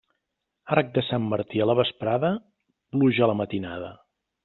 Arc de Sant Martí a la vesprada, pluja a la matinada.